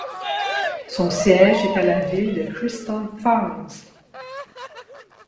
Son siège est à la ville de Crystal Falls.